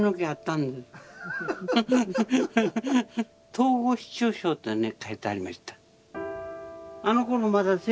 統合失調症ってね書いてありました。